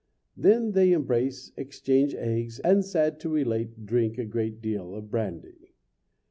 Then they embrace, exchange eggs, and sad to relate, drink a great deal of brandy.